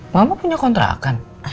mama punya kontrakan